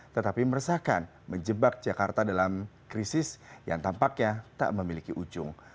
tetapi meresahkan menjebak jakarta dalam krisis yang tampaknya tak memiliki ujung